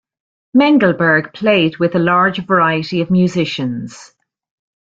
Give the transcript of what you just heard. Mengelberg played with a large variety of musicians.